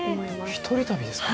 １人旅ですか？